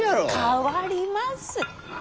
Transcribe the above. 変わります。